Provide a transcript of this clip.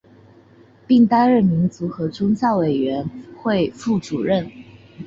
并担任民族和宗教委员会副主任。